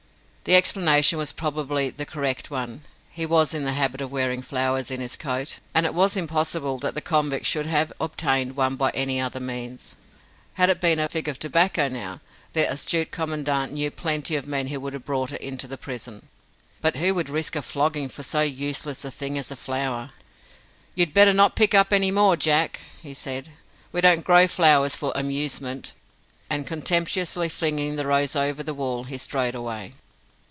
The explanation was probably the correct one. He was in the habit of wearing flowers in his coat and it was impossible that the convict should have obtained one by any other means. Had it been a fig of tobacco now, the astute Commandant knew plenty of men who would have brought it into the prison. But who would risk a flogging for so useless a thing as a flower? "You'd better not pick up any more, Jack," he said. "We don't grow flowers for your amusement." And contemptuously flinging the rose over the wall, he strode away.